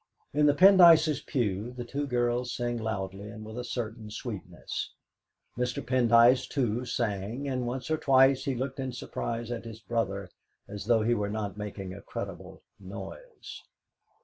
In the Pendyces' pew the two girls sang loudly and with a certain sweetness. Mr. Pendyce, too, sang, and once or twice he looked in surprise at his brother, as though he were not making a creditable noise.